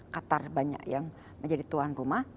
qatar banyak yang menjadi tuan rumah